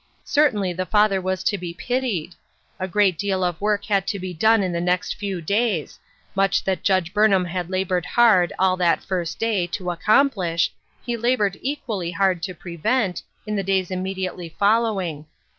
Certainly the father was to be pitied ! A great deal of work had to be done in the next few days ; much that Judge Burnham had labored hard, all that first day, to accomplish, he labored equally hard to prevent, in the days immediately follow ing.